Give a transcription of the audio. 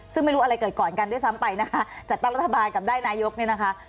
ซึ่งไม่รู้อะไรเกิดก่อนกันด้วยซ้ำไปนะคะจัดตั้งรัฐบาลกับได้นายกเนี่ยนะคะ